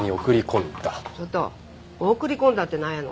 ちょっと「送り込んだ」ってなんやの？